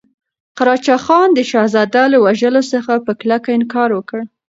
قراچه خان د شهزاده له وژلو څخه په کلکه انکار وکړ.